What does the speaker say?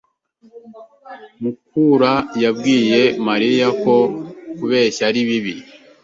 Mukura yabwiye Mariya ko kubeshya ari bibi.